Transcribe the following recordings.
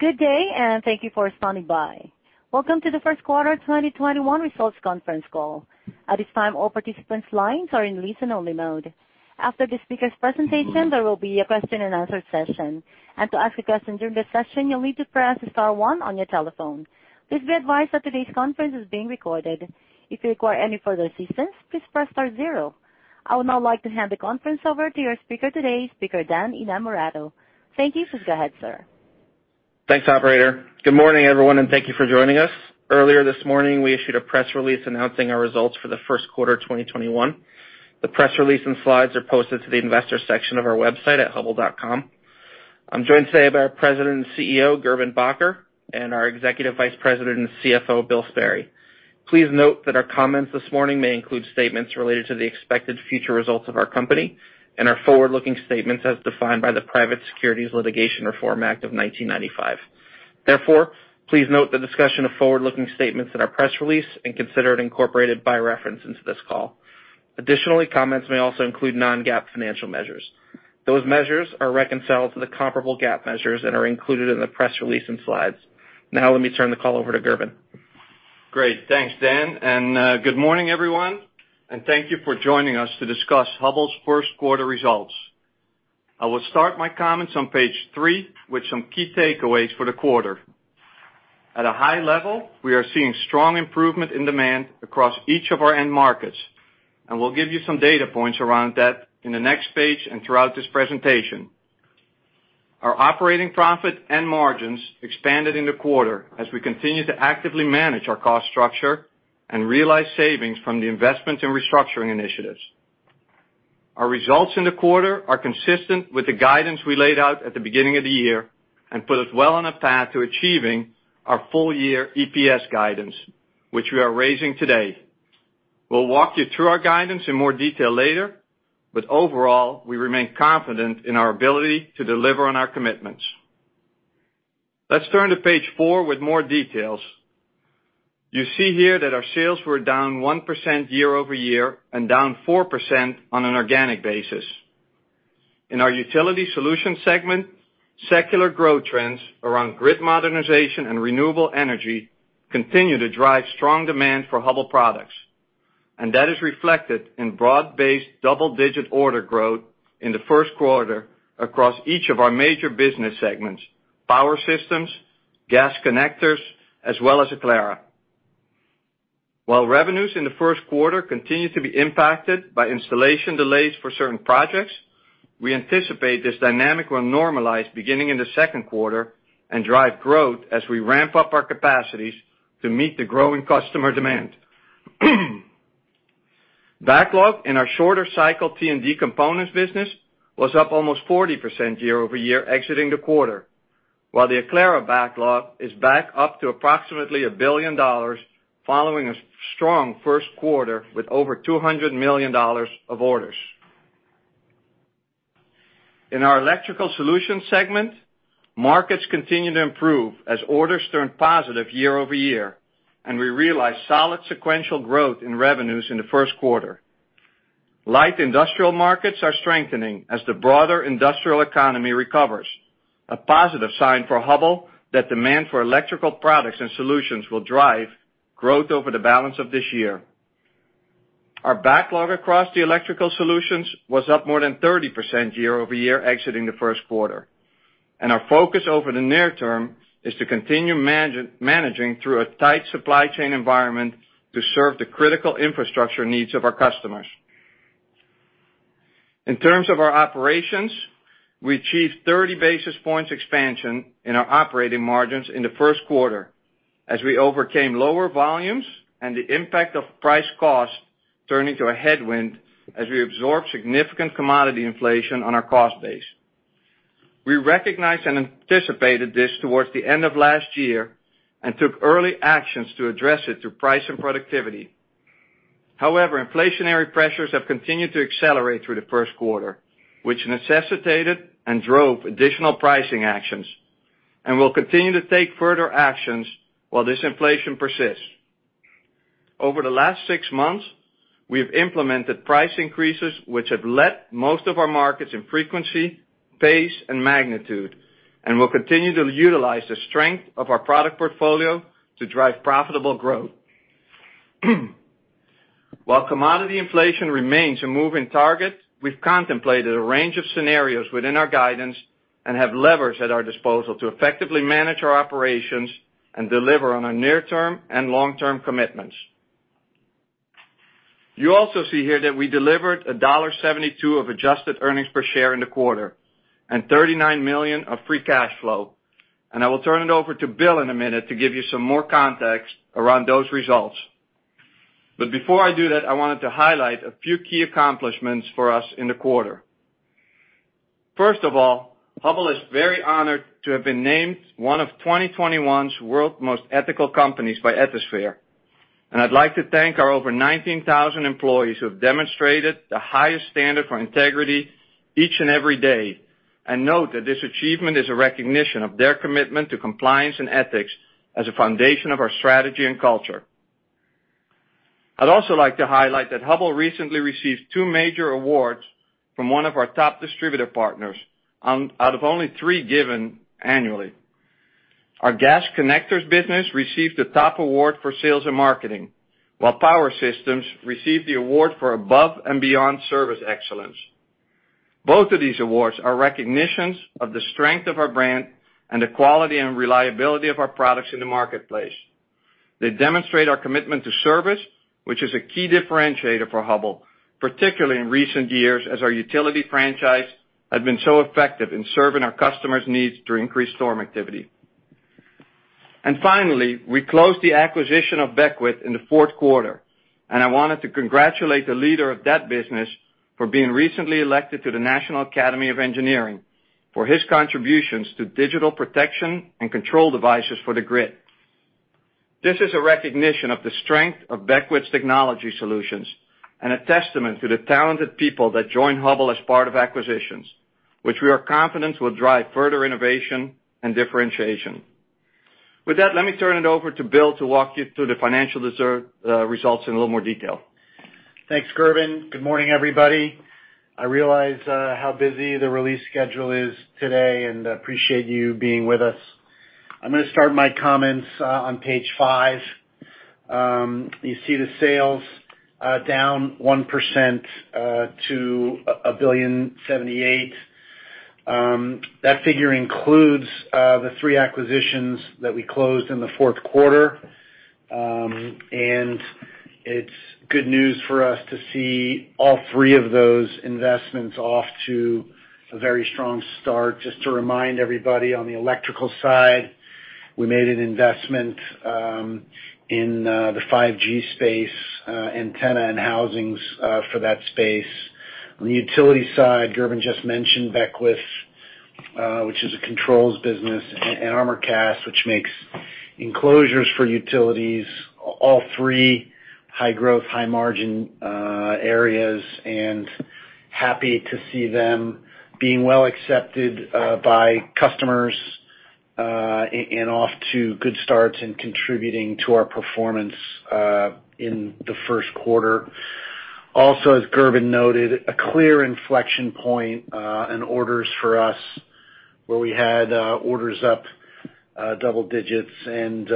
Good day, and thank you for standing by. Welcome to the first quarter 2021 results conference call. At this time, all participants' lines are in listen-only mode. After the speakers' presentation, there will be a question and answer session. Please be advised that today's conference is being recorded. I would now like to hand the conference over to your speaker today, Speaker Dan Innamorato. Thank you. Please go ahead, sir. Thanks, operator. Good morning, everyone, and thank you for joining us. Earlier this morning, we issued a press release announcing our results for the first quarter 2021. The press release and slides are posted to the investor section of our website at hubbell.com. I'm joined today by our President and CEO, Gerben Bakker, and our Executive Vice President and CFO, Bill Sperry. Please note that our comments this morning may include statements related to the expected future results of our company and are forward-looking statements as defined by the Private Securities Litigation Reform Act of 1995. Please note the discussion of forward-looking statements in our press release and consider it incorporated by reference into this call. Comments may also include non-GAAP financial measures. Those measures are reconciled to the comparable GAAP measures that are included in the press release and slides. Now let me turn the call over to Gerben. Great. Thanks, Dan, and good morning, everyone, and thank you for joining us to discuss Hubbell's first quarter results. I will start my comments on page three with some key takeaways for the quarter. At a high level, we are seeing strong improvement in demand across each of our end markets, and we'll give you some data points around that in the next page and throughout this presentation. Our operating profit and margins expanded in the quarter as we continue to actively manage our cost structure and realize savings from the investments and restructuring initiatives. Our results in the quarter are consistent with the guidance we laid out at the beginning of the year and put us well on a path to achieving our full year EPS guidance, which we are raising today. We'll walk you through our guidance in more detail later, but overall, we remain confident in our ability to deliver on our commitments. Let's turn to page four with more details. You see here that our sales were down 1% year-over-year and down 4% on an organic basis. In our Utility Solutions segment, secular growth trends around grid modernization and renewable energy continue to drive strong demand for Hubbell products, and that is reflected in broad-based double-digit order growth in the first quarter across each of our major business segments, Power Systems, gas connectors, as well as Aclara. While revenues in the first quarter continue to be impacted by installation delays for certain projects, we anticipate this dynamic will normalize beginning in the second quarter and drive growth as we ramp up our capacities to meet the growing customer demand. Backlog in our shorter cycle T&D components business was up almost 40% year-over-year exiting the quarter, while the Aclara backlog is back up to approximately $1 billion following a strong first quarter with over $200 million of orders. In our Electrical Solutions segment, markets continue to improve as orders turn positive year-over-year, we realize solid sequential growth in revenues in the first quarter. Light industrial markets are strengthening as the broader industrial economy recovers, a positive sign for Hubbell that demand for electrical products and solutions will drive growth over the balance of this year. Our backlog across the Electrical Solutions was up more than 30% year-over-year exiting the first quarter, our focus over the near term is to continue managing through a tight supply chain environment to serve the critical infrastructure needs of our customers. In terms of our operations, we achieved 30 basis points expansion in our operating margins in the First Quarter as we overcame lower volumes and the impact of price cost turning to a headwind as we absorb significant commodity inflation on our cost base. We recognized and anticipated this towards the end of last year and took early actions to address it through price and productivity. However, inflationary pressures have continued to accelerate through the First Quarter, which necessitated and drove additional pricing actions, and we'll continue to take further actions while this inflation persists. Over the last six months, we have implemented price increases, which have led most of our markets in frequency, pace, and magnitude, and we'll continue to utilize the strength of our product portfolio to drive profitable growth. While commodity inflation remains a moving target, we've contemplated a range of scenarios within our guidance and have levers at our disposal to effectively manage our operations and deliver on our near-term and long-term commitments. You also see here that we delivered $1.72 of adjusted earnings per share in the quarter and $39 million of free cash flow. I will turn it over to Bill in a minute to give you some more context around those results. Before I do that, I wanted to highlight a few key accomplishments for us in the quarter. First of all, Hubbell is very honored to have been named one of 2021's World's Most Ethical Companies by Ethisphere, and I'd like to thank our over 19,000 employees who have demonstrated the highest standard for integrity each and every day. Note that this achievement is a recognition of their commitment to compliance and ethics as a foundation of our strategy and culture. I'd also like to highlight that Hubbell recently received two major awards from one of our top distributor partners out of only three given annually. Our gas connectors business received the top award for sales and marketing, while Power Systems received the award for above and beyond service excellence. Both of these awards are recognitions of the strength of our brand and the quality and reliability of our products in the marketplace. They demonstrate our commitment to service, which is a key differentiator for Hubbell, particularly in recent years as our utility franchise has been so effective in serving our customers' needs to increase storm activity. Finally, we closed the acquisition of Beckwith in the fourth quarter, and I wanted to congratulate the leader of that business for being recently elected to the National Academy of Engineering for his contributions to digital protection and control devices for the grid. This is a recognition of the strength of Beckwith's technology solutions and a testament to the talented people that joined Hubbell as part of acquisitions, which we are confident will drive further innovation and differentiation. With that, let me turn it over to Bill to walk you through the financial results in a little more detail. Thanks, Gerben. Good morning, everybody. I realize how busy the release schedule is today, and appreciate you being with us. I'm going to start my comments on page five. You see the sales down 1% to $1.078 billion. That figure includes the three acquisitions that we closed in the fourth quarter. It's good news for us to see all three of those investments off to a very strong start. Just to remind everybody, on the electrical side, we made an investment in the 5G space antenna and housings for that space. On the utility side, Gerben just mentioned Beckwith, which is a controls business, and Armorcast, which makes enclosures for utilities. All three high growth, high margin areas, happy to see them being well accepted by customers, and off to good starts and contributing to our performance in the first quarter. Also, as Gerben noted, a clear inflection point in orders for us where we had orders up double digits and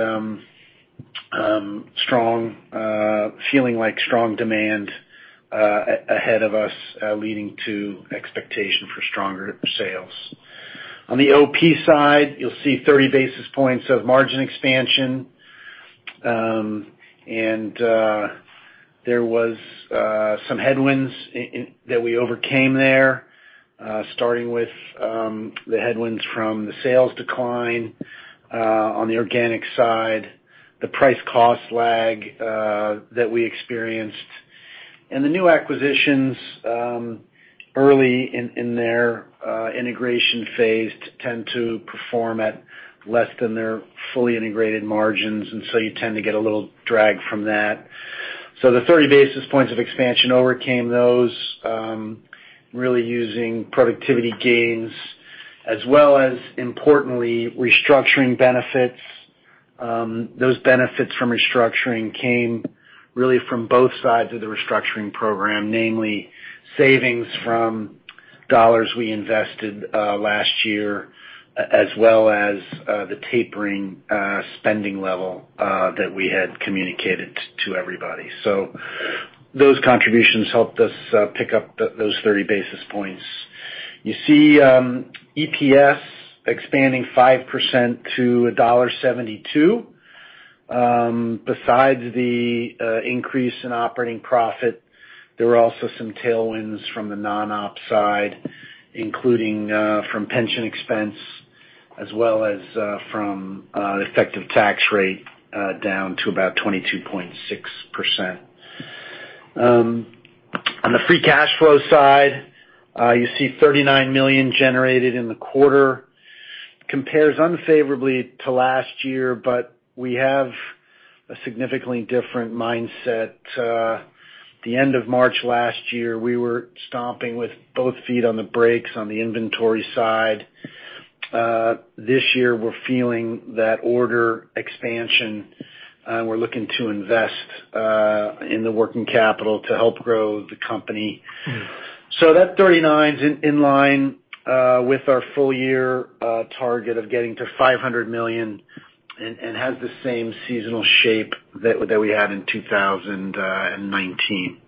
feeling like strong demand ahead of us, leading to expectation for stronger sales. On the OP side, you'll see 30 basis points of margin expansion. There was some headwinds that we overcame there, starting with the headwinds from the sales decline on the organic side, the price cost lag that we experienced, and the new acquisitions early in their integration phase tend to perform at less than their fully integrated margins, and so you tend to get a little drag from that. The 30 basis points of expansion overcame those, really using productivity gains as well as, importantly, restructuring benefits. Those benefits from restructuring came really from both sides of the restructuring program, namely savings from dollars we invested last year, as well as the tapering spending level that we had communicated to everybody. Those contributions helped us pick up those 30 basis points. You see EPS expanding 5% to $1.72. Besides the increase in operating profit, there were also some tailwinds from the non-op side, including from pension expense as well as from effective tax rate down to about 22.6%. On the free cash flow side, you see $39 million generated in the quarter. Compares unfavorably to last year, we have a significantly different mindset. The end of March last year, we were stomping with both feet on the brakes on the inventory side. This year, we're feeling that order expansion. We're looking to invest in the working capital to help grow the company. That 39 is in line with our full year target of getting to $500 million and has the same seasonal shape that we had in 2019.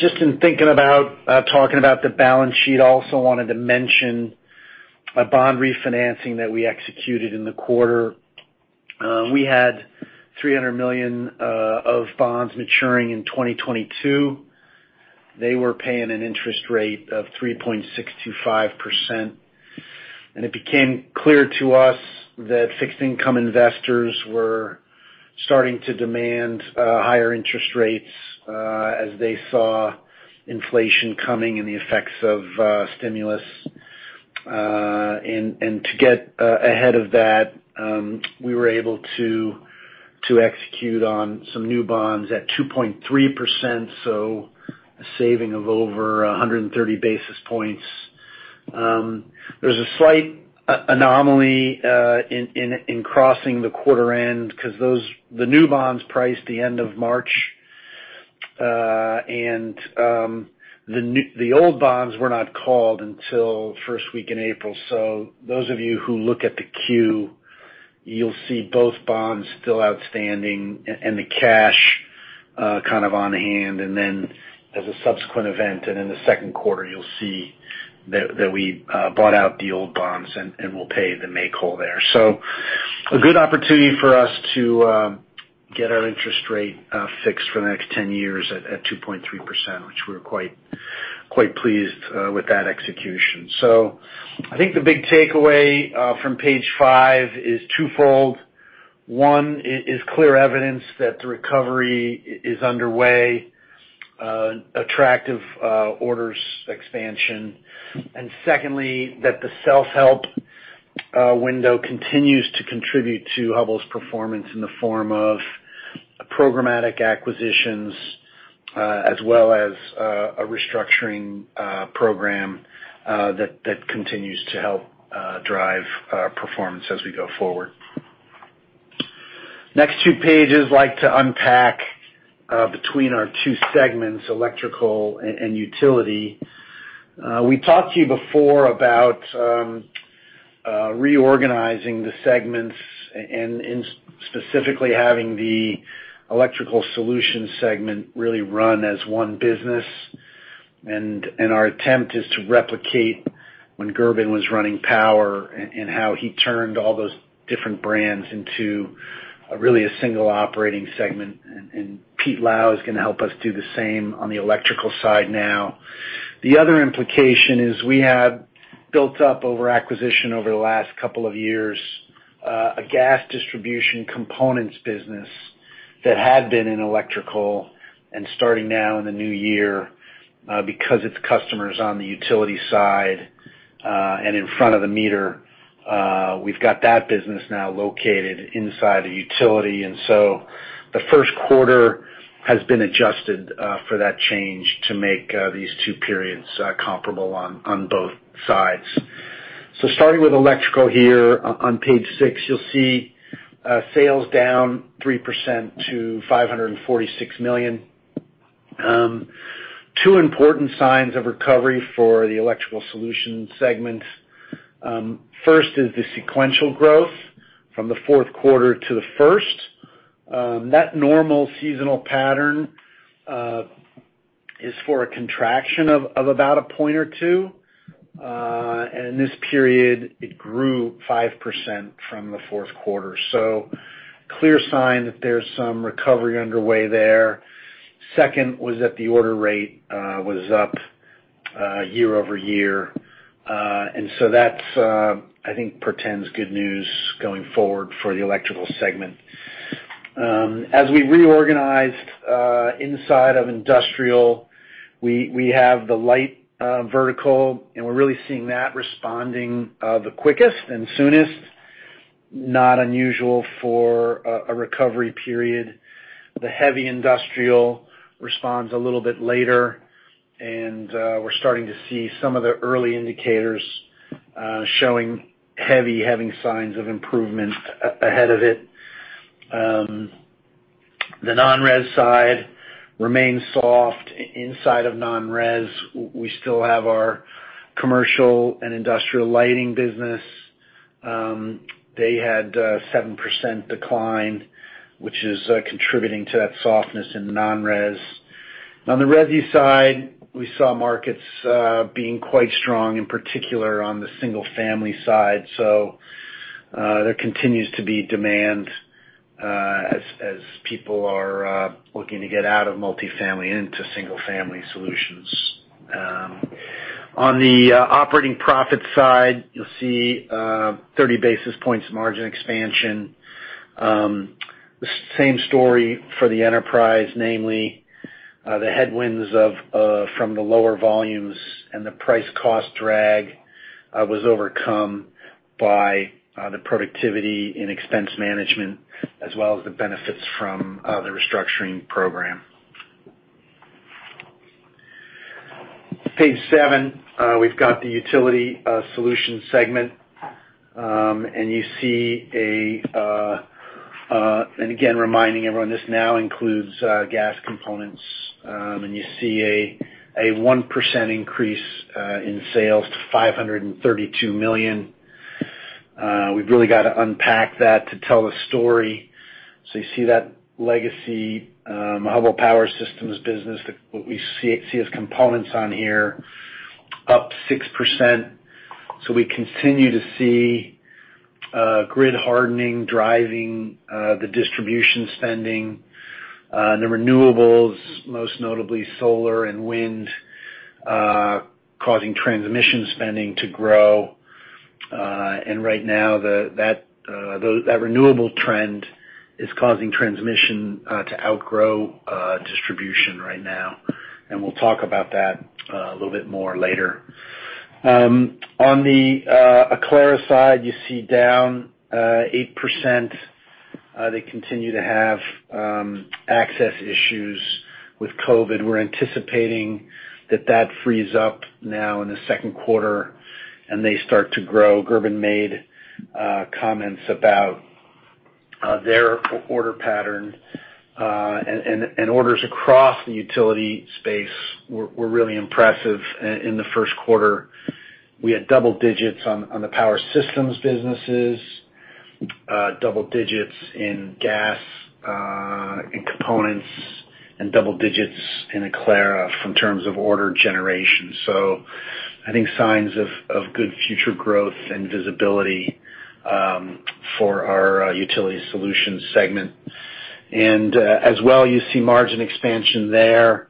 Just in thinking about talking about the balance sheet, I also wanted to mention a bond refinancing that we executed in the quarter. We had $300 million of bonds maturing in 2022. They were paying an interest rate of 3.625%, and it became clear to us that fixed income investors were starting to demand higher interest rates as they saw inflation coming and the effects of stimulus. To get ahead of that, we were able to execute on some new bonds at 2.3%, so a saving of over 130 basis points. There's a slight anomaly in crossing the quarter end because the new bonds priced the end of March, and the old bonds were not called until first week in April. Those of you who look at the Q, you'll see both bonds still outstanding and the cash kind of on hand. Then as a subsequent event, and in the second quarter, you'll see that we bought out the old bonds and will pay the make-whole there. So a good opportunity for us to get our interest rate fixed for the next 10 years at 2.3%, which we were quite pleased with that execution. I think the big takeaway from page five is twofold. One is clear evidence that the recovery is underway, attractive orders expansion. And secondly, that the self-help window continues to contribute to Hubbell's performance in the form of programmatic acquisitions, as well as a restructuring program that continues to help drive performance as we go forward. Next two pages, like to unpack between our two segments, Electrical and Utility. We talked to you before about reorganizing the segments, specifically having the Electrical Solutions segment really run as one business. Our attempt is to replicate when Gerben was running Power and how he turned all those different brands into really a single operating segment. Peter Lau is going to help us do the same on the Electrical side now. The other implication is we have built up over acquisition over the last couple of years, a gas distribution components business that had been in Electrical and starting now in the new year, because its customer is on the Utility side, and in front of the meter, we've got that business now located inside the Utility. The first quarter has been adjusted for that change to make these two periods comparable on both sides. Starting with electrical here on page six, you'll see sales down 3% to $546 million. Two important signs of recovery for the Electrical Solutions segment. First is the sequential growth from the fourth quarter to the first. That normal seasonal pattern is for a contraction of about a point or two. In this period, it grew 5% from the fourth quarter. Clear sign that there's some recovery underway there. Second was that the order rate was up year-over-year. That I think portends good news going forward for the Electrical segment. As we reorganized inside of industrial, we have the light vertical, and we're really seeing that responding the quickest and soonest, not unusual for a recovery period. The heavy industrial responds a little bit later, and we're starting to see some of the early indicators showing heavy having signs of improvement ahead of it. The non-res side remains soft. Inside of non-res, we still have our commercial and industrial lighting business. They had 7% decline, which is contributing to that softness in non-res. On the resi side, we saw markets being quite strong, in particular on the single-family side. There continues to be demand as people are looking to get out of multifamily into single-family solutions. On the operating profit side, you'll see 30 basis points margin expansion. The same story for the enterprise, namely the headwinds from the lower volumes and the price cost drag was overcome by the productivity in expense management, as well as the benefits from the restructuring program. Page seven, we've got the Utility Solutions segment. Again, reminding everyone, this now includes gas components. You see a 1% increase in sales to $532 million. We've really got to unpack that to tell the story. You see that legacy Hubbell Power Systems business, what we see as components on here, up 6%. We continue to see grid hardening driving the distribution spending. The renewables, most notably solar and wind, causing transmission spending to grow. Right now, that renewable trend is causing transmission to outgrow distribution right now. We'll talk about that a little bit more later. On the Aclara side, you see down 8%. They continue to have access issues with COVID. We're anticipating that that frees up now in the second quarter, and they start to grow. Gerben made comments about their order pattern, and orders across the utility space were really impressive in the first quarter. We had double digits on the power systems businesses, double digits in gas and components, and double digits in Aclara from terms of order generation. I think signs of good future growth and visibility for our Utility Solutions segment. As well, you see margin expansion there.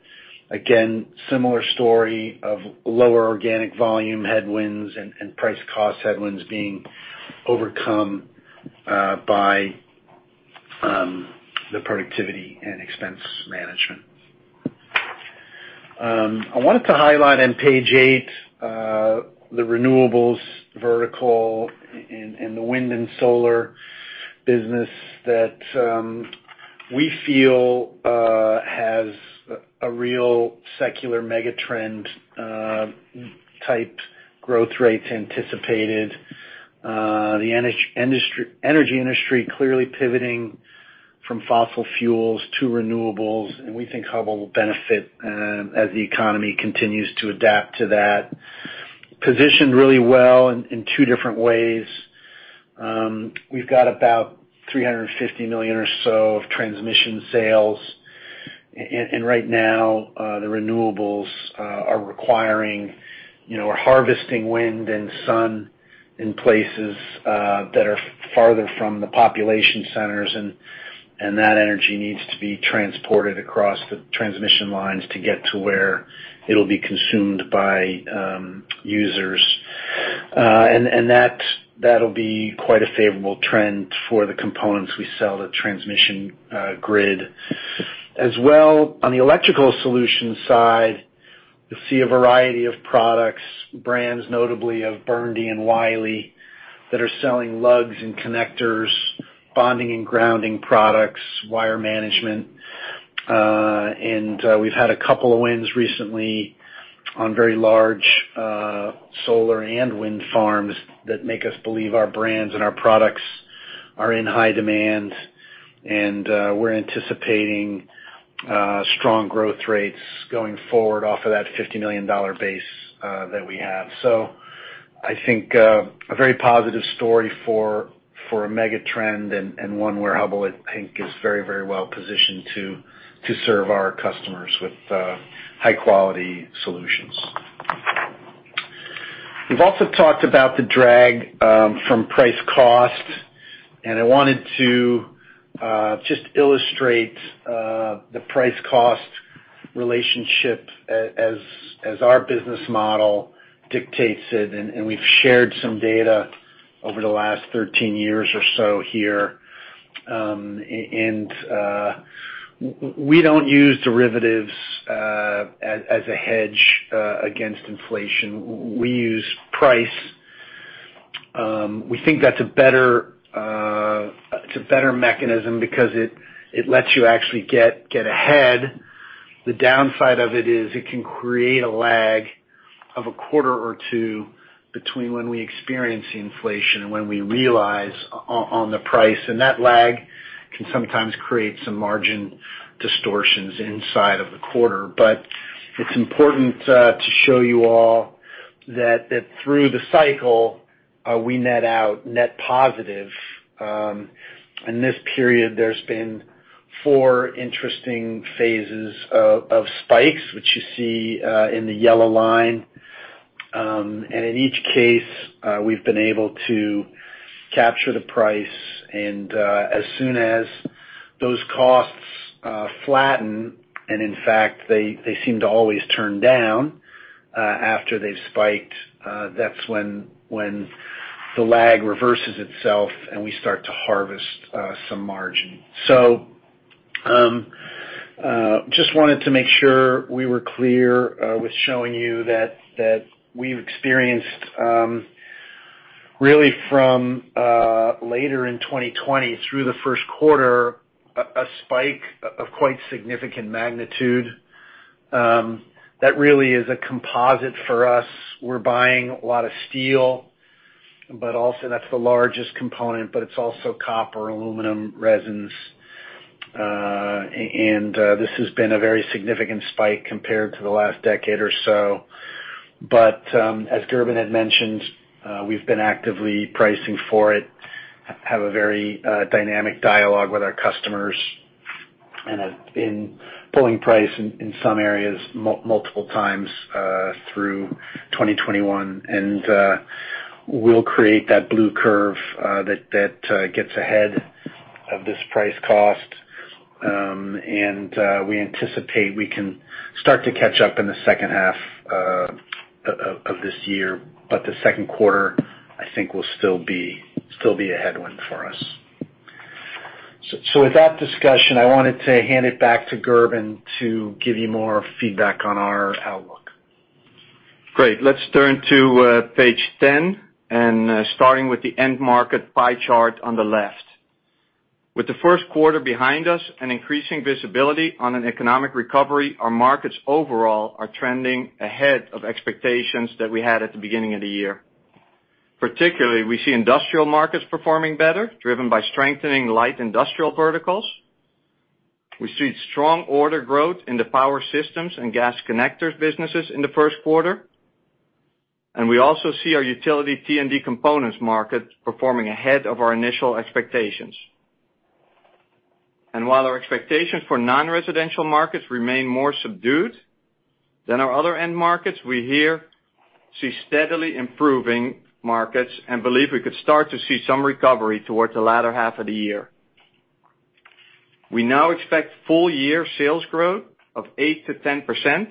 Again, similar story of lower organic volume headwinds and price cost headwinds being overcome by the productivity and expense management. I wanted to highlight on page eight the renewables vertical in the wind and solar business that we feel has a real secular megatrend-type growth rates anticipated. The energy industry clearly pivoting from fossil fuels to renewables, we think Hubbell will benefit as the economy continues to adapt to that. Positioned really well in two different ways. We've got about $350 million or so of transmission sales. Right now the renewables are requiring or harvesting wind and sun in places that are farther from the population centers, and that energy needs to be transported across the transmission lines to get to where it'll be consumed by users. That'll be quite a favorable trend for the components we sell to the transmission grid. As well, on the Electrical Solutions segment side, you'll see a variety of products, brands notably of Burndy and Wiley, that are selling lugs and connectors, bonding and grounding products, wire management. We've had a couple of wins recently on very large solar and wind farms that make us believe our brands and our products are in high demand. We're anticipating strong growth rates going forward off of that $50 million base that we have. I think a very positive story for a megatrend and one where Hubbell, I think, is very well positioned to serve our customers with high-quality solutions. We've also talked about the drag from price cost, and I wanted to just illustrate the price-cost relationship as our business model dictates it, and we've shared some data over the last 13 years or so here. We don't use derivatives as a hedge against inflation. We use price. We think that's a better mechanism because it lets you actually get ahead. The downside of it is it can create a lag of a quarter or two between when we experience inflation and when we realize on the price, and that lag can sometimes create some margin distortions inside of the quarter. It's important to show you all that through the cycle, we net out net positive. In this period, there's been four interesting phases of spikes, which you see in the yellow line. In each case, we've been able to capture the price, and as soon as those costs flatten, and in fact, they seem to always turn down after they've spiked, that's when the lag reverses itself, and we start to harvest some margin. Just wanted to make sure we were clear with showing you that we've experienced, really from later in 2020 through the first quarter, a spike of quite significant magnitude. That really is a composite for us. We're buying a lot of steel, but also that's the largest component, but it's also copper, aluminum, resins. This has been a very significant spike compared to the last decade or so. As Gerben had mentioned, we've been actively pricing for it, have a very dynamic dialogue with our customers, and have been pulling price in some areas multiple times through 2021. We'll create that blue curve that gets ahead of this price cost. We anticipate we can start to catch up in the second half of this year. The second quarter, I think, will still be a headwind for us. With that discussion, I wanted to hand it back to Gerben to give you more feedback on our outlook. Great. Let's turn to page 10, starting with the end market pie chart on the left. With the first quarter behind us and increasing visibility on an economic recovery, our markets overall are trending ahead of expectations that we had at the beginning of the year. Particularly, we see industrial markets performing better, driven by strengthening light industrial verticals. We see strong order growth in the Hubbell Power Systems and gas connectors businesses in the first quarter. We also see our Utility T&D components market performing ahead of our initial expectations. While our expectations for non-residential markets remain more subdued than our other end markets, we here see steadily improving markets and believe we could start to see some recovery towards the latter half of the year. We now expect full year sales growth of 8%-10%,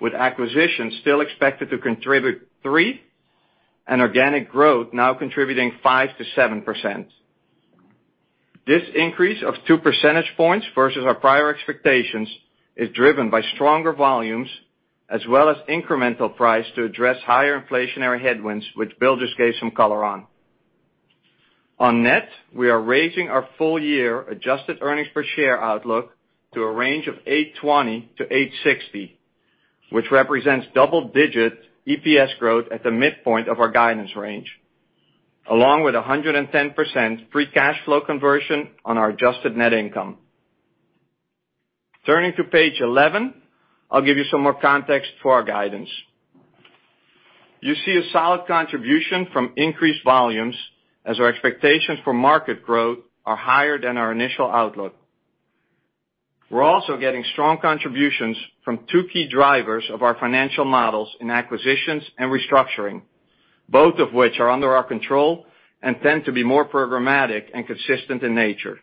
with acquisitions still expected to contribute 3%, and organic growth now contributing 5%-7%. This increase of two percentage points versus our prior expectations is driven by stronger volumes as well as incremental price to address higher inflationary headwinds, which Bill just gave some color on. We are raising our full year adjusted earnings per share outlook to a range of $8.20-$8.60, which represents double digit EPS growth at the midpoint of our guidance range, along with 110% free cash flow conversion on our adjusted net income. Turning to page 11, I'll give you some more context for our guidance. You see a solid contribution from increased volumes as our expectations for market growth are higher than our initial outlook. We're also getting strong contributions from two key drivers of our financial models in acquisitions and restructuring, both of which are under our control and tend to be more programmatic and consistent in nature.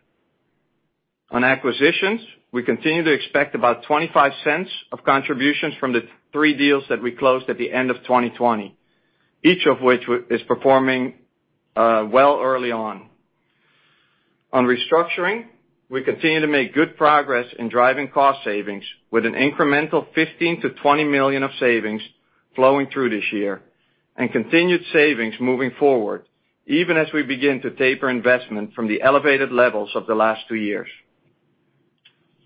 On acquisitions, we continue to expect about $0.25 of contributions from the three deals that we closed at the end of 2020, each of which is performing well early on. On restructuring, we continue to make good progress in driving cost savings with an incremental $15 million-$20 million of savings flowing through this year, and continued savings moving forward, even as we begin to taper investment from the elevated levels of the last two years.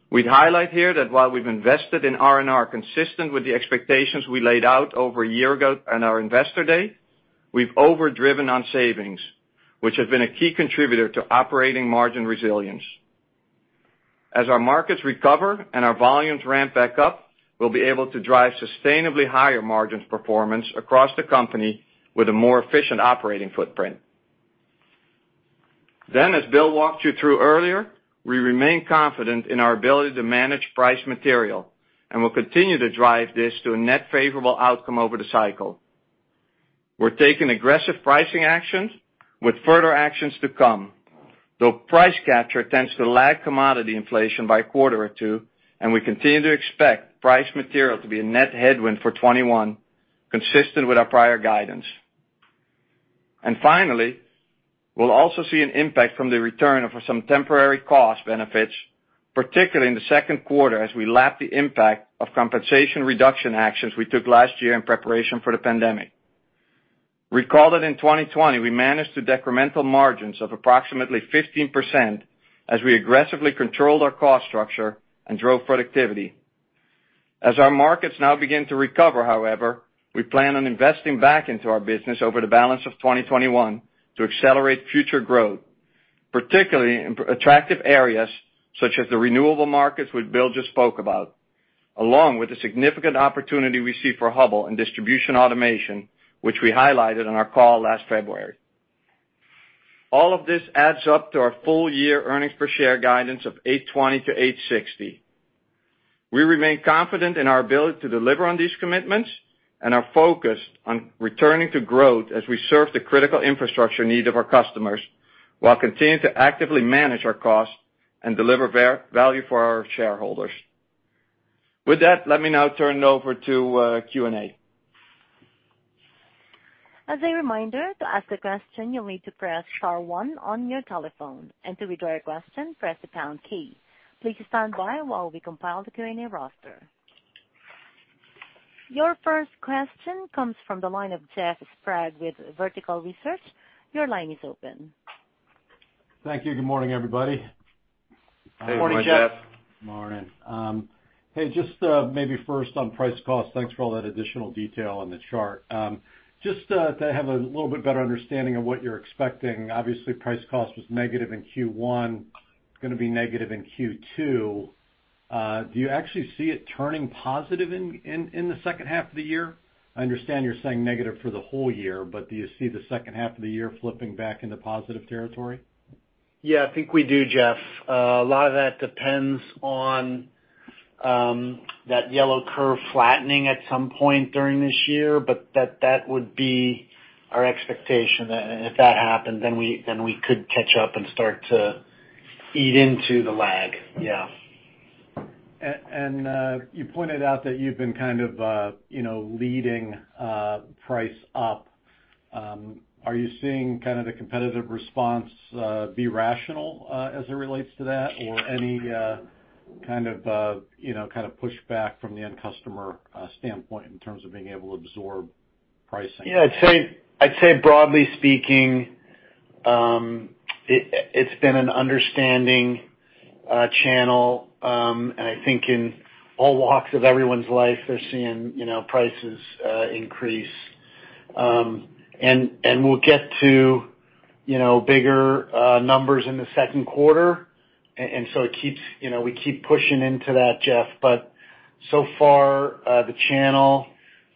We'd highlight here that while we've invested in R&R consistent with the expectations we laid out over one year ago on our investor day, we've overdriven on savings, which has been a key contributor to operating margin resilience. As our markets recover and our volumes ramp back up, we'll be able to drive sustainably higher margins performance across the company with a more efficient operating footprint. As Bill walked you through earlier, we remain confident in our ability to manage price material, and will continue to drive this to a net favorable outcome over the cycle. We're taking aggressive pricing actions with further actions to come, though price capture tends to lag commodity inflation by a quarter or two, and we continue to expect price material to be a net headwind for 2021, consistent with our prior guidance. Finally, we'll also see an impact from the return of some temporary cost benefits, particularly in the second quarter as we lap the impact of compensation reduction actions we took last year in preparation for the pandemic. Recall that in 2020, we managed to decremental margins of approximately 15% as we aggressively controlled our cost structure and drove productivity. As our markets now begin to recover, however, we plan on investing back into our business over the balance of 2021 to accelerate future growth, particularly in attractive areas such as the renewable markets which Bill just spoke about, along with the significant opportunity we see for Hubbell in distribution automation, which we highlighted on our call last February. All of this adds up to our full year earnings per share guidance of $8.20-$8.60. We remain confident in our ability to deliver on these commitments, and are focused on returning to growth as we serve the critical infrastructure need of our customers, while continuing to actively manage our costs and deliver value for our shareholders. With that, let me now turn it over to Q&A. As a reminder, to ask a question, you'll need to press star one on your telephone, and to withdraw your question, press the pound key. Please stand by while we compile the Q&A roster. Your first question comes from the line of Jeff Sprague with Vertical Research. Your line is open. Thank you. Good morning, everybody. Good morning, Jeff. Good morning, Jeff. Morning. Hey, just maybe first on price cost. Thanks for all that additional detail on the chart. Just to have a little bit better understanding of what you're expecting. Obviously, price cost was negative in Q1, it's gonna be negative in Q2. Do you actually see it turning positive in the second half of the year? I understand you're saying negative for the whole year, do you see the second half of the year flipping back into positive territory? Yeah, I think we do, Jeff. A lot of that depends on that yellow curve flattening at some point during this year, but that would be our expectation, and if that happens, then we could catch up and start to eat into the lag. Yeah. You pointed out that you've been kind of leading price up. Are you seeing the competitive response be rational as it relates to that or any kind of pushback from the end customer standpoint in terms of being able to absorb pricing? Yeah. I'd say broadly speaking, it's been an understanding channel. I think in all walks of everyone's life, they're seeing prices increase. We'll get to bigger numbers in the second quarter. We keep pushing into that, Jeff. So far, the channel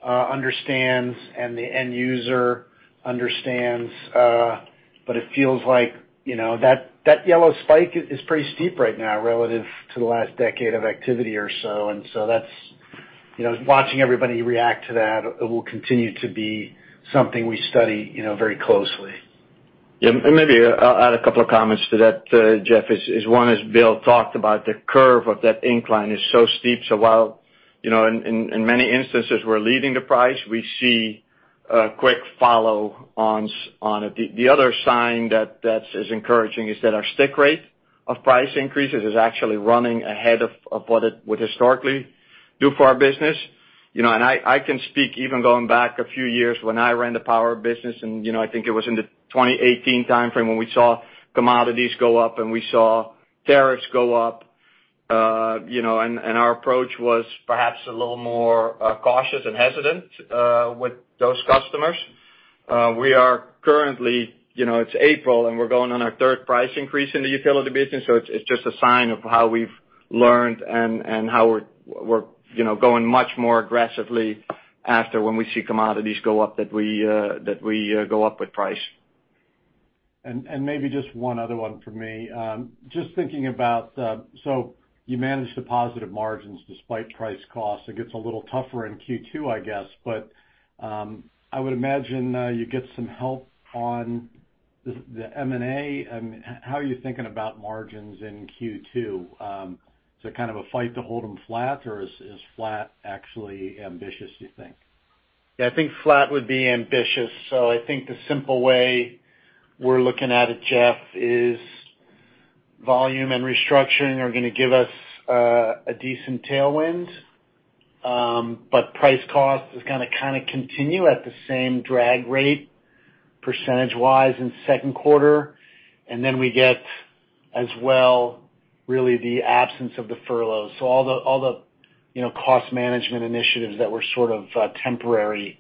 understands, and the end user understands, but it feels like that yellow spike is pretty steep right now relative to the last decade of activity or so. Watching everybody react to that, it will continue to be something we study very closely. Yeah. Maybe I'll add a couple of comments to that, Jeff. Is one, as Bill talked about, the curve of that incline is so steep. While in many instances we're leading the price, we see a quick follow on it. The other sign that is encouraging is that our stick rate of price increases is actually running ahead of what it would historically do for our business. I can speak even going back a few years when I ran the power business, and I think it was in the 2018 timeframe when we saw commodities go up and we saw tariffs go up, and our approach was perhaps a little more cautious and hesitant with those customers. We are currently, it's April, and we're going on our third price increase in the utility business, so it's just a sign of how we've learned and how we're going much more aggressively after when we see commodities go up, that we go up with price. Maybe just one other one from me. Thinking about, you manage the positive margins despite price cost. It gets a little tougher in Q2, I guess, but I would imagine you get some help on the M&A. How are you thinking about margins in Q2? Is there a fight to hold them flat, or is flat actually ambitious, you think? Yeah. I think flat would be ambitious. I think the simple way we're looking at it, Jeff, is volume and restructuring are going to give us a decent tailwind. Price cost is going to kind of continue at the same drag rate percentage-wise in second quarter. We get, as well, really the absence of the furloughs. All the cost management initiatives that were sort of temporary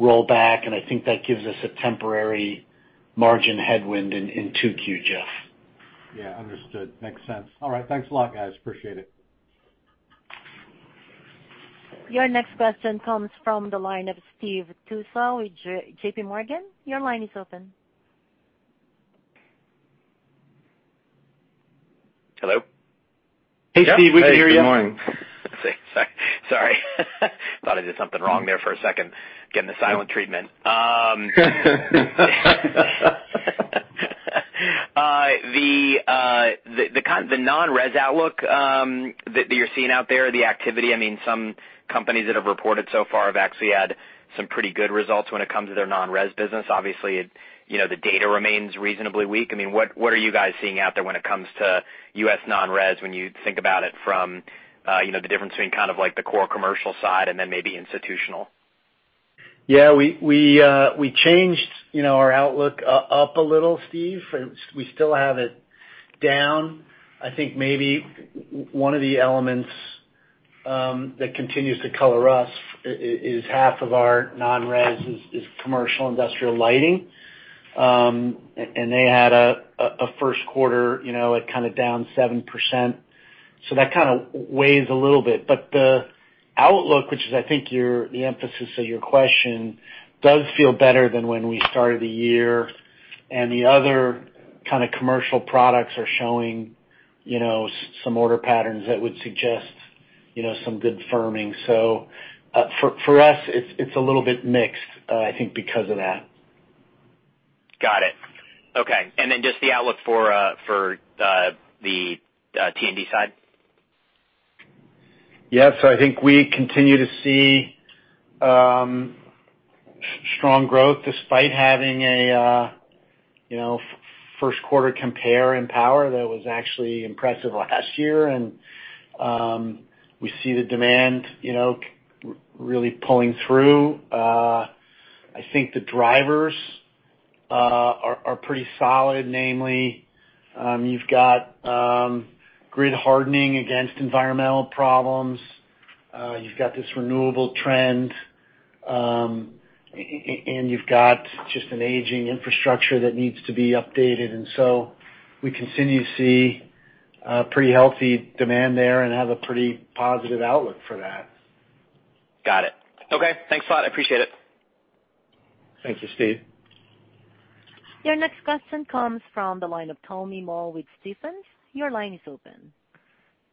roll back, and I think that gives us a temporary margin headwind into Q, Jeff. Yeah. Understood. Makes sense. All right. Thanks a lot, guys. Appreciate it. Your next question comes from the line of Steve Tusa with J.P. Morgan. Your line is open. Hello? Hey, Steve. We can hear you. Hey. Good morning. Sorry. Thought I did something wrong there for a second, getting the silent treatment. The non-residential outlook that you're seeing out there, the activity, some companies that have reported so far have actually had some pretty good results when it comes to their non-residential business. Obviously, the data remains reasonably weak. What are you guys seeing out there when it comes to U.S. non-residential when you think about it from the difference between the core commercial side and then maybe institutional? Yeah. We changed our outlook up a little, Steve. We still have it down. I think maybe one of the elements that continues to color us is half of our non-residential is commercial industrial lighting. They had a first quarter at kind of down 7%. That kind of weighs a little bit. The outlook, which is I think the emphasis of your question, does feel better than when we started the year. The other kind of commercial products are showing some order patterns that would suggest some good firming. For us, it's a little bit mixed, I think because of that. Got it. Okay. Just the outlook for the T&D side? Yeah. I think we continue to see strong growth despite having a first quarter compare in power that was actually impressive last year. We see the demand really pulling through. I think the drivers are pretty solid. Namely, you've got grid hardening against environmental problems. You've got this renewable trend. You've got just an aging infrastructure that needs to be updated. We continue to see a pretty healthy demand there and have a pretty positive outlook for that. Got it. Okay. Thanks a lot. I appreciate it. Thank you, Steve. Your next question comes from the line of Tommy Moll with Stephens. Your line is open.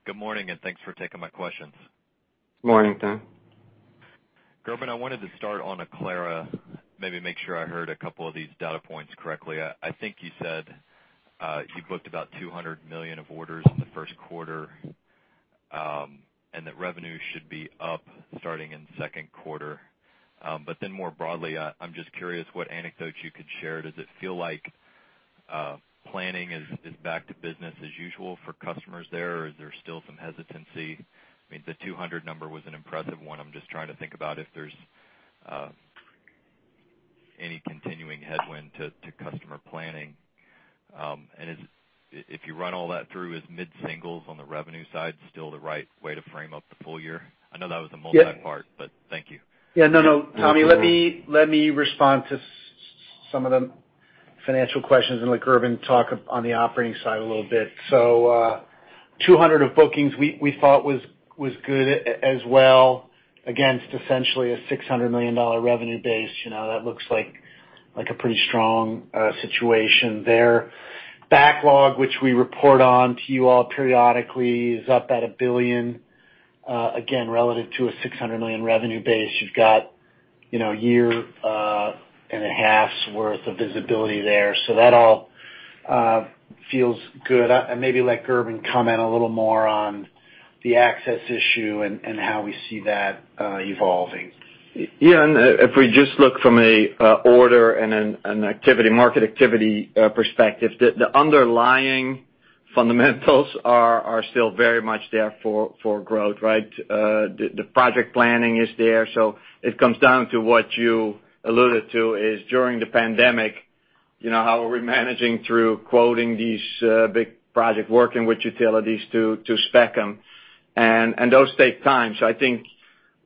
Good morning. Thanks for taking my questions. Morning, Tommy Moll. Gerben, I wanted to start on Aclara, maybe make sure I heard a couple of these data points correctly. I think you said you booked about $200 million of orders in the first quarter. That revenue should be up starting in the second quarter. More broadly, I'm just curious what anecdotes you could share. Does it feel like planning is back to business as usual for customers there, or is there still some hesitancy? I mean, the $200 number was an impressive one. I'm just trying to think about if there's any continuing headwind to customer planning. If you run all that through, is mid-singles on the revenue side still the right way to frame up the full year? I know that was a multi-part. Yes Thank you. Yeah, no, Tommy, let me respond to some of the financial questions and let Gerben talk on the operating side a little bit. $200 of bookings we thought was good as well against essentially a $600 million revenue base. That looks like a pretty strong situation there. Backlog, which we report on to you all periodically, is up at $1 billion. Again, relative to a $600 million revenue base, you've got a year and a half's worth of visibility there. That all feels good. I maybe let Gerben comment a little more on the access issue and how we see that evolving. Yeah, if we just look from an order and an market activity perspective, the underlying fundamentals are still very much there for growth, right? The project planning is there. It comes down to what you alluded to is during the pandemic, how are we managing through quoting these big project, working with utilities to spec them. Those take time. I think,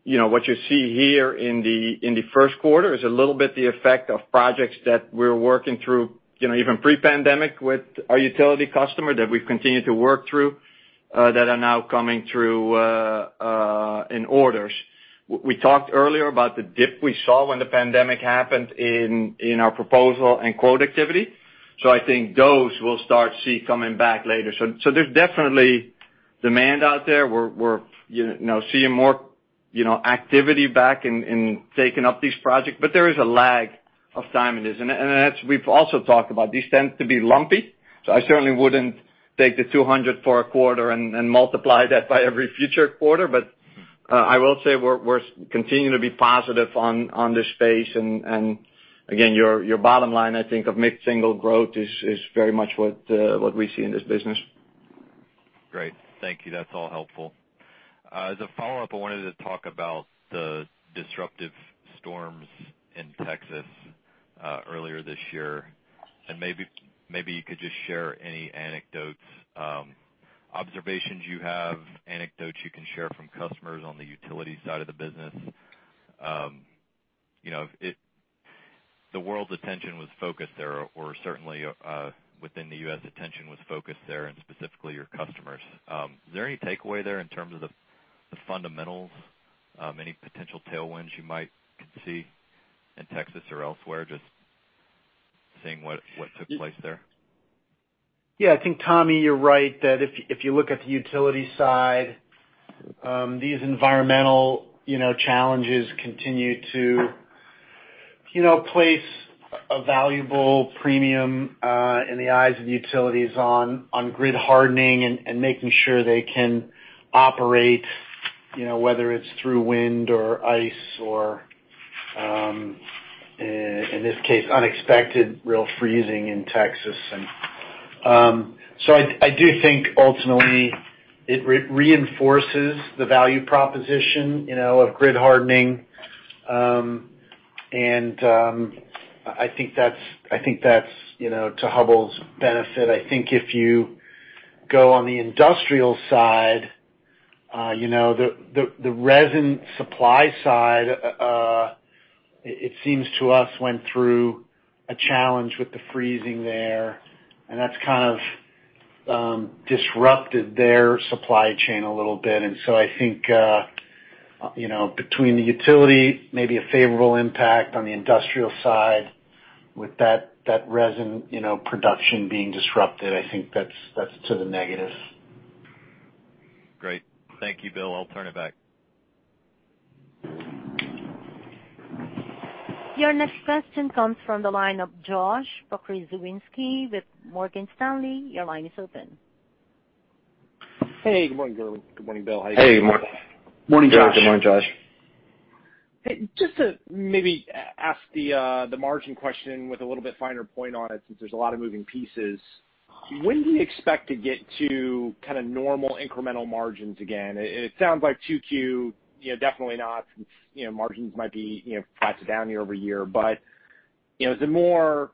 what you see here in the first quarter is a little bit the effect of projects that we're working through, even pre-pandemic with our utility customer that we've continued to work through, that are now coming through in orders. We talked earlier about the dip we saw when the pandemic happened in our proposal and quote activity. I think those we'll start see coming back later. There's definitely demand out there. We're seeing more activity back in taking up these projects. There is a lag of time in this. That we've also talked about. These tend to be lumpy. I certainly wouldn't take the 200 for a quarter and multiply that by every future quarter. I will say we're continuing to be positive on the space and, again, your bottom line, I think of mid-single growth is very much what we see in this business. Great. Thank you. That's all helpful. As a follow-up, I wanted to talk about the disruptive storms in Texas earlier this year, and maybe you could just share any anecdotes, observations you have, anecdotes you can share from customers on the utility side of the business. The world's attention was focused there, or certainly, within the U.S., attention was focused there and specifically your customers. Is there any takeaway there in terms of the fundamentals? Any potential tailwinds you might see in Texas or elsewhere, just seeing what took place there? I think, Tommy, you're right that if you look at the utility side, these environmental challenges continue to place a valuable premium in the eyes of utilities on grid hardening and making sure they can operate, whether it's through wind or ice or, in this case, unexpected real freezing in Texas. I do think ultimately it reinforces the value proposition of grid hardening, and I think that's to Hubbell's benefit. I think if you go on the industrial side, the resin supply side, it seems to us went through a challenge with the freezing there, and that's kind of disrupted their supply chain a little bit. I think, between the utility side, maybe a favorable impact on the industrial side with that resin production being disrupted, I think that's to the negative. Great. Thank you, Bill. I'll turn it back. Your next question comes from the line of Josh Pokrzywinski with Morgan Stanley. Hey, good morning, Gerben. Good morning, Bill. How are you guys doing? Hey. Good morning. Morning, Josh. Good morning, Josh. Just to maybe ask the margin question with a little bit finer point on it, since there's a lot of moving pieces. When do you expect to get to kind of normal incremental margins again? It sounds like 2Q, definitely not, since margins might be flat to down year-over-year. Is it more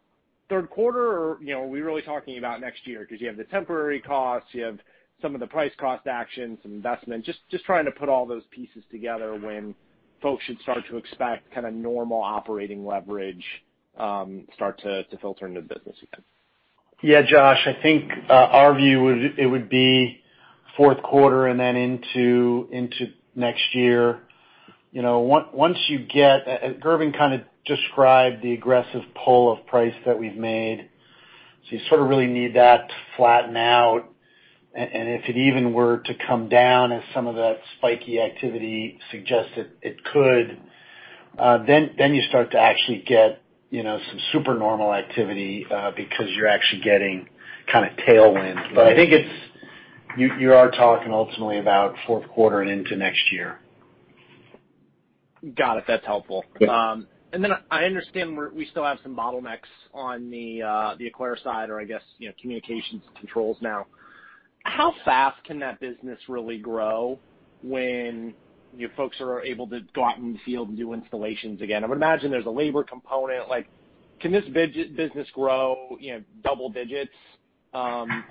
third quarter, or are we really talking about next year? You have the temporary costs, you have some of the price cost actions, some investment. Just trying to put all those pieces together when folks should start to expect kind of normal operating leverage start to filter into the business again. Yeah, Josh, I think our view, it would be fourth quarter and then into next year. Gerben kind of described the aggressive pull of price that we've made. You sort of really need that to flatten out. If it even were to come down as some of that spiky activity suggests that it could. You start to actually get some super normal activity because you're actually getting tailwinds. I think you are talking ultimately about fourth quarter and into next year. Got it. That's helpful. Yeah. I understand we still have some bottlenecks on the Aclara side, or I guess, communications and controls now. How fast can that business really grow when you folks are able to go out in the field and do installations again? I would imagine there's a labor component. Can this business grow double digits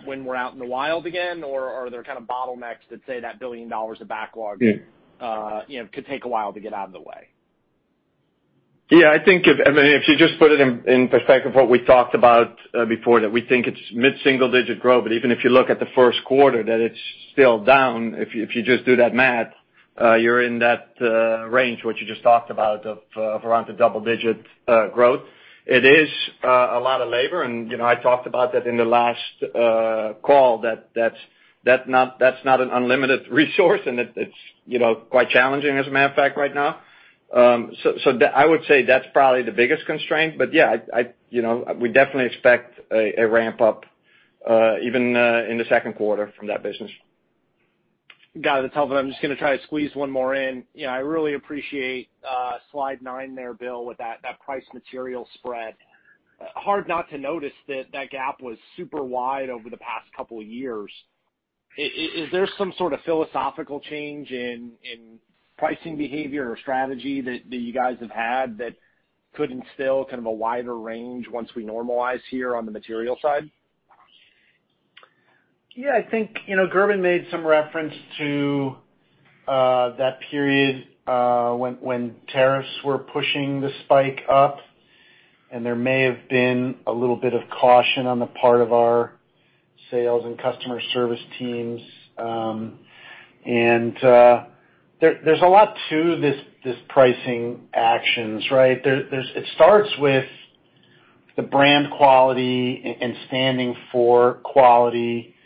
when we're out in the wild again, or are there kind of bottlenecks that say that $1 billion of backlog? Yeah. could take a while to get out of the way? Yeah, I think if you just put it in perspective, what we talked about before, that we think it's mid-single digit growth. Even if you look at the first quarter, that it's still down. If you just do that math, you're in that range, what you just talked about, of around a double-digit growth. It is a lot of labor, and I talked about that in the last call, that's not an unlimited resource and it's quite challenging as a matter of fact, right now. I would say that's probably the biggest constraint. Yeah, we definitely expect a ramp-up even in the second quarter from that business. Got it. That's helpful. I'm just going to try to squeeze one more in. I really appreciate slide nine there, Bill, with that price material spread. Hard not to notice that that gap was super wide over the past couple of years. Is there some sort of philosophical change in pricing behavior or strategy that you guys have had that could instill a wider range once we normalize here on the material side? Yeah, I think Gerben made some reference to that period when tariffs were pushing the spike up, and there may have been a little bit of caution on the part of our sales and customer service teams. There's a lot to these pricing actions, right? It starts with the brand quality and standing for quality.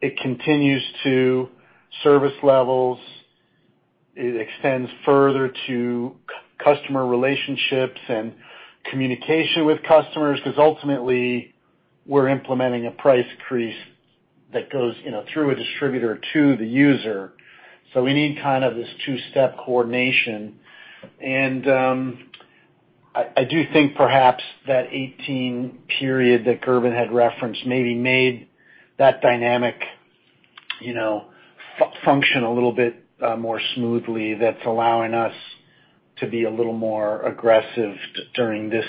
It continues to service levels. It extends further to customer relationships and communication with customers, because ultimately, we're implementing a price increase that goes through a distributor to the user. We need this two-step coordination. I do think perhaps that 2018 period that Gerben had referenced maybe made that dynamic function a little bit more smoothly, that's allowing us to be a little more aggressive during this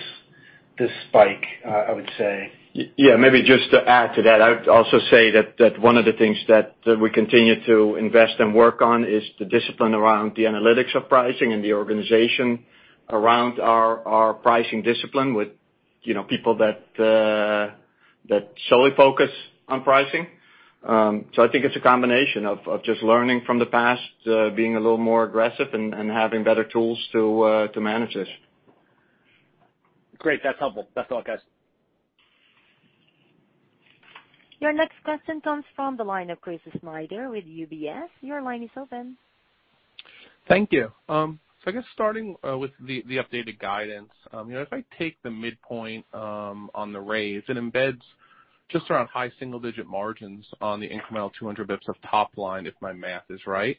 spike, I would say. Yeah, maybe just to add to that. I would also say that one of the things that we continue to invest and work on is the discipline around the analytics of pricing and the organization around our pricing discipline with people that solely focus on pricing. I think it's a combination of just learning from the past, being a little more aggressive and having better tools to manage this. Great. That's helpful. That's all, guys. Your next question comes from the line of Chris Snyder with UBS. Your line is open. Thank you. I guess starting with the updated guidance. If I take the midpoint on the raise, it embeds just around high single-digit margins on the incremental 200 basis points of top line, if my math is right.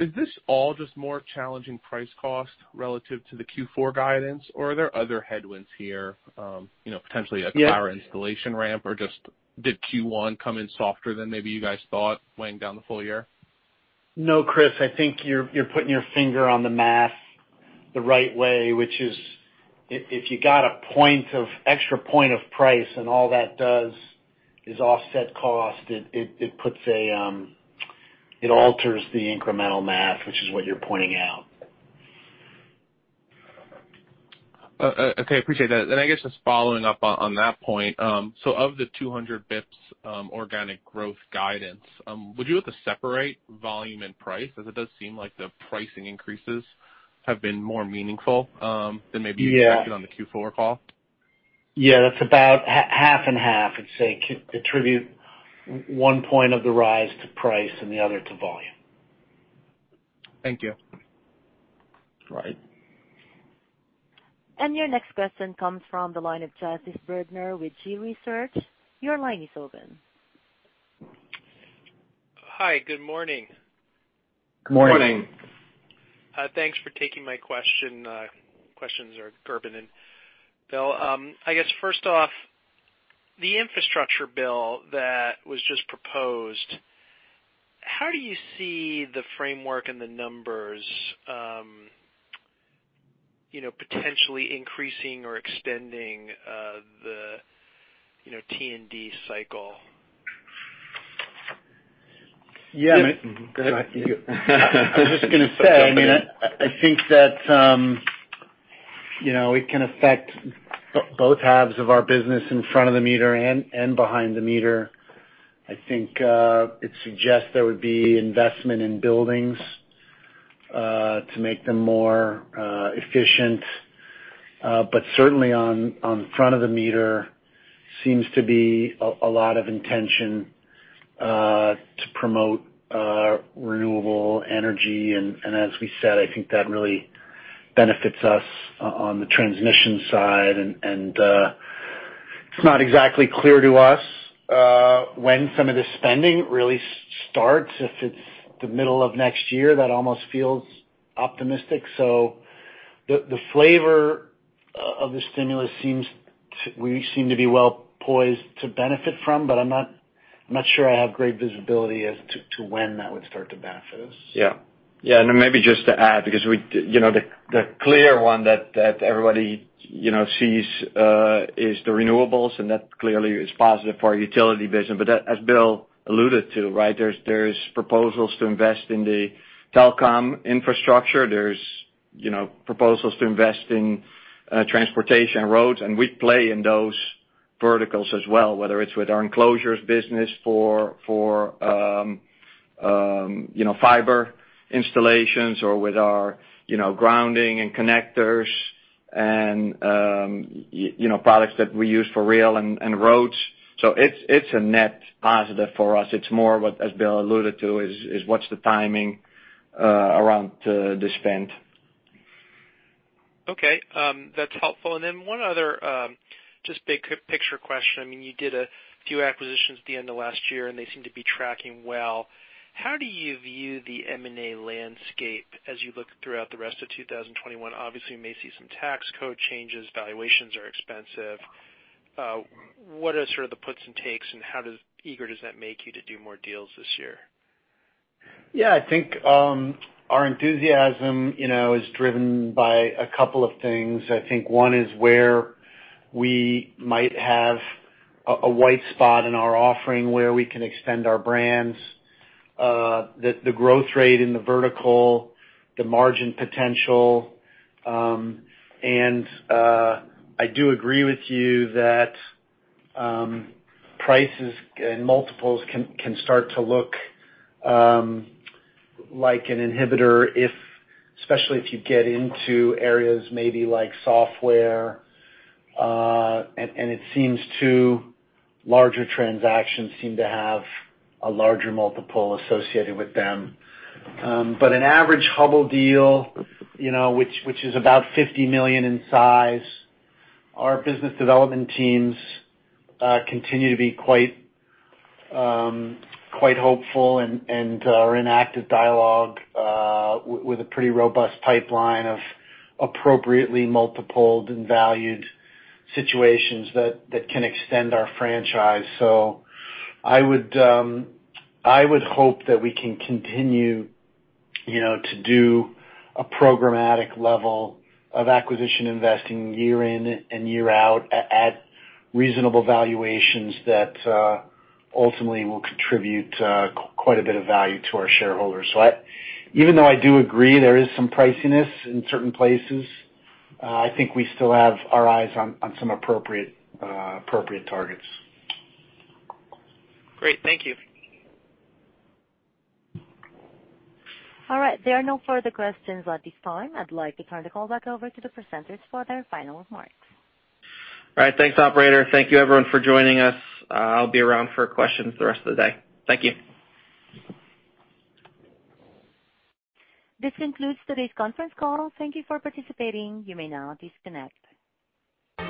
Is this all just more challenging price cost relative to the Q4 guidance? Are there other headwinds here, potentially a power installation ramp, or just did Q1 come in softer than maybe you guys thought weighing down the full year? No, Chris. I think you're putting your finger on the math the right way, which is if you got an extra point of price and all that does is offset cost, it alters the incremental math, which is what you're pointing out. Okay, appreciate that. I guess just following up on that point. Of the 200 basis points organic growth guidance, would you look to separate volume and price, as it does seem like the pricing increases have been more meaningful. Yeah you expected on the Q4 call? Yeah, that's about half and half. I'd say contribute one point of the rise to price and the other to volume. Thank you. Right. Your next question comes from the line of Justin Bergner with G-Research. Your line is open. Hi. Good morning. Morning. Morning. Thanks for taking my questions, Gerben and Bill. I guess first off, the infrastructure bill that was just proposed, how do you see the framework and the numbers potentially increasing or extending the T&D cycle? Yeah. Mm-hmm. Go ahead. No, you go. I was just going to say, I think that it can affect both halves of our business, in front of the meter and behind the meter. I think it suggests there would be investment in buildings to make them more efficient. Certainly on front of the meter seems to be a lot of intention to promote renewable energy. As we said, I think that really benefits us on the transmission side. It's not exactly clear to us when some of the spending really starts. If it's the middle of next year, that almost feels optimistic. The flavor of the stimulus, we seem to be well-poised to benefit from. I'm not sure I have great visibility as to when that would start to benefit us. Yeah. Maybe just to add, because the clear one that everybody sees is the renewables, and that clearly is positive for our utility business. As Bill alluded to, there's proposals to invest in the telecom infrastructure. There's proposals to invest in transportation and roads. We play in those verticals as well, whether it's with our enclosures business for fiber installations or with our grounding and connectors and products that we use for rail and roads. It's a net positive for us. It's more, as Bill alluded to, is what's the timing around the spend? Okay, that's helpful. One other just big picture question. You did a few acquisitions at the end of last year, and they seem to be tracking well. How do you view the M&A landscape as you look throughout the rest of 2021? Obviously, you may see some tax code changes. Valuations are expensive. What are sort of the puts and takes, and how eager does that make you to do more deals this year? Yeah, I think our enthusiasm is driven by a couple of things. I think one is where we might have a white spot in our offering where we can extend our brands, the growth rate in the vertical, the margin potential. I do agree with you that prices and multiples can start to look like an inhibitor, especially if you get into areas maybe like software. It seems, too, larger transactions seem to have a larger multiple associated with them. But an average Hubbell deal, which is about $50 million in size, our business development teams continue to be quite hopeful and are in active dialogue with a pretty robust pipeline of appropriately multipled and valued situations that can extend our franchise. I would hope that we can continue to do a programmatic level of acquisition investing year in and year out at reasonable valuations that ultimately will contribute quite a bit of value to our shareholders. Even though I do agree there is some priciness in certain places, I think we still have our eyes on some appropriate targets. Great. Thank you. All right. There are no further questions at this time. I'd like to turn the call back over to the presenters for their final remarks. All right. Thanks, operator. Thank you everyone for joining us. I'll be around for questions the rest of the day. Thank you. This concludes today's conference call. Thank you for participating. You may now disconnect.